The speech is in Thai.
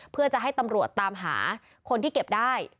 เพื่อจะให้ตำรวจตามหาคนที่เก็บได้